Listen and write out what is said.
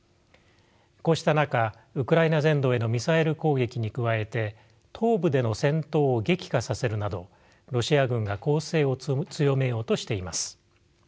こうした中ウクライナ全土へのミサイル攻撃に加えて東部での戦闘を激化させるなどロシア軍が攻勢を強めようとしています。